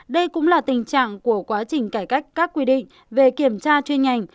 đây cũng là tình trạng của quá trình cải cách các quy định về kiểm tra chuyên ngành